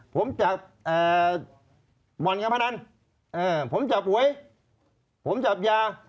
ผมจับเอ่อวันค่ะพระนันเอ่อผมจับอวยผมจับยา